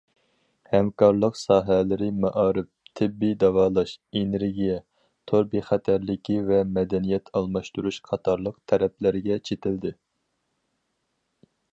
ھەمكارلىق ساھەلىرى مائارىپ، تېببىي داۋالاش، ئېنېرگىيە، تور بىخەتەرلىكى ۋە مەدەنىيەت ئالماشتۇرۇش قاتارلىق تەرەپلەرگە چېتىلدى.